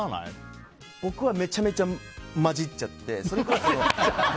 僕はめちゃめちゃ混じっちゃって。